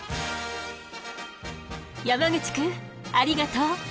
山口くんありがとう。